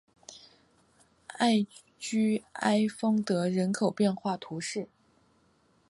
艾居埃丰德人口变化图示